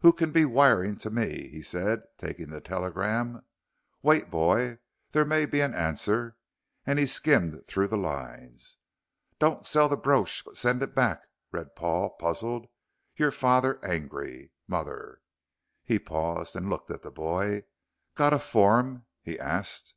"Who can be wiring to me?" he said, taking the telegram. "Wait, boy, there may be an answer," and he skimmed through the lines. "Don't sell the brooch, but send it back," read Paul, puzzled, "your father angry. MOTHER." He paused, and looked at the boy. "Got a form?" he asked.